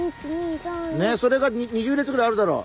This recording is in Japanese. ねっそれが２０列くらいあるだろう。